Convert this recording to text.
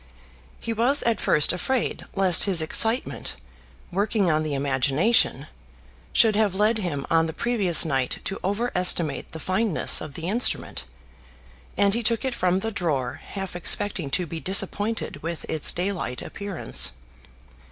He was at first afraid lest his excitement, working on the imagination, should have led him on the previous night to overestimate the fineness of the instrument, and he took it from the drawer half expecting to be disappointed with its daylight appearance.